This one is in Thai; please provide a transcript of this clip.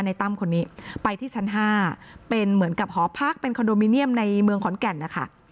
ตั้มคนนี้ไปที่ชั้น๕เป็นเหมือนกับหอพักเป็นคอนโดมิเนียมในเมืองขอนแก่นนะคะ